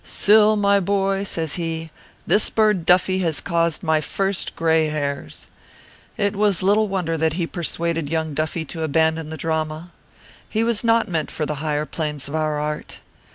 'Syl, my boy,' says he, 'this bird Duffy has caused my first gray hairs.' It was little wonder that he persuaded young Duffy to abandon the drama. He was not meant for the higher planes of our art.